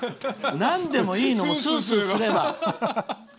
なんでもいいの、スースーすれば。